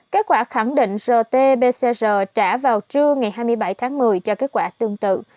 kết quả khẳng định rt pcr trả vào trưa ngày hai mươi bảy tháng một mươi cho kết quả tương tự